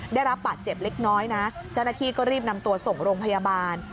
ได้รับบาดเจ็บเล็กน้อยนะเจ้าหน้าที่ก็รีบนำตัวส่งโรงพยาบาล